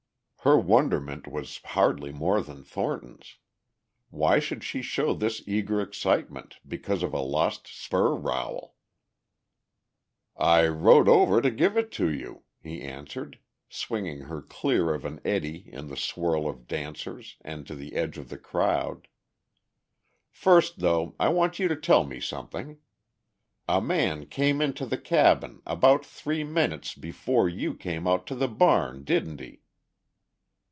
Her wonderment was hardly more than Thornton's. Why should she show this eager excitement, because of a lost spur rowel? "I rode over to give it to you," he answered, swinging her clear of an eddy in the swirl of dancers and to the edge of the crowd. "First, though, I want you to tell me something. A man came into the cabin about three minutes before you came out to the barn, didn't he?"